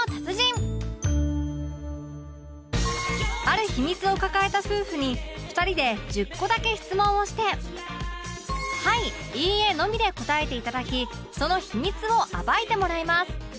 ある秘密を抱えた夫婦に２人で１０個だけ質問をして「はい」「いいえ」のみで答えて頂きその秘密を暴いてもらいます